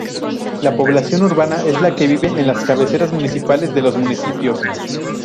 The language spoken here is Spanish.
La población urbana es la que vive en las cabeceras municipales de los municipios.